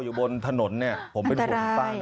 อยู่บนถนนผมเป็นผม